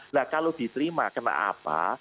nah kalau diterima kenapa